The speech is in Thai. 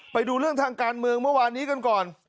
ไปดูเรื่องทางการเมืองเมื่อวานนี้กันก่อน